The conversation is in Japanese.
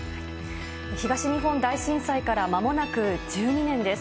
東日本大震災からまもなく１２年です。